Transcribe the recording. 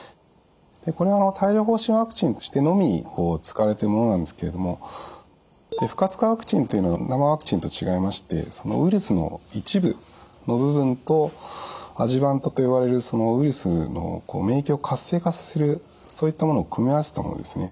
これは帯状ほう疹ワクチンとしてのみ使われているものなんですけれども不活化ワクチンというのは生ワクチンと違いましてウイルスの一部の部分とアジュバントと呼ばれるウイルスの免疫を活性化させるそういったものを組み合わせたものですね。